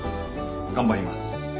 頑張ります。